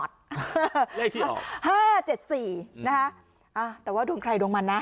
เลขที่ออด๕๗๔นะฮะแต่ว่าดวงใครดวงมันนะ